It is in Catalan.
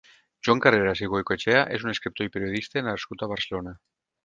Joan Carreras i Goicoechea és un escriptor i periodista nascut a Barcelona.